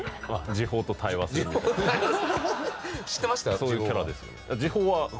そういうキャラですよ。